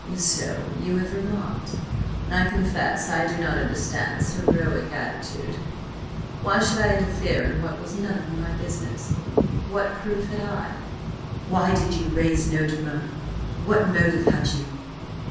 "So you have remarked. I confess I do not understand this heroic attitude. Why should I interfere in what was none of my business? What proof had I?" "Why did you raise no demur? What motive had you?"